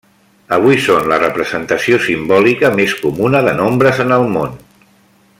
Avui són la representació simbòlica més comuna de nombres en el món.